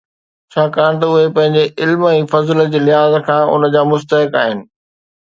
ڇاڪاڻ ته اهي پنهنجي علم ۽ فضل جي لحاظ کان ان جا مستحق آهن.